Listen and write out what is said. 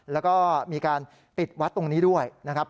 แล้วก็มีการปิดวัดตรงนี้ด้วยนะครับ